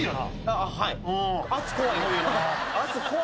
あっはい。